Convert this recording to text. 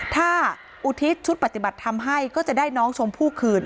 ถ้าอุทิศชุดปฏิบัติธรรมให้ก็จะได้น้องชมพู่คืน